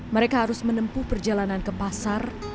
mereka harus menempuh perjalanan ke pasar